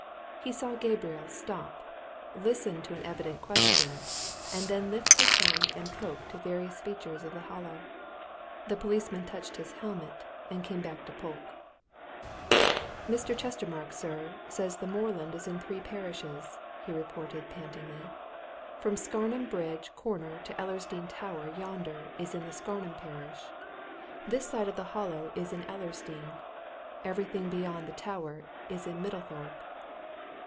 He saw Gabriel stop, listen to an evident question, and then lift his hand and point to various features of the Hollow. The policeman touched his helmet, and came back to Polke. "Mr. Chestermarke, sir, says the moorland is in three parishes," he reported pantingly. "From Scarnham Bridge corner to Ellersdeane Tower yonder is in Scarnham parish: this side the Hollow is in Ellersdeane; everything beyond the Tower is in Middlethorpe."